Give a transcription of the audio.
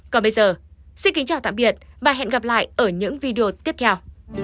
còn bây giờ xin kính chào tạm biệt và hẹn gặp lại ở những video tiếp theo